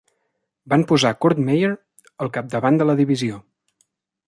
Van posar Kurt Meyer al capdavant de la divisió.